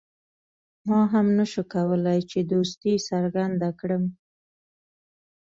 ما هم نه شو کولای چې دوستي څرګنده کړم.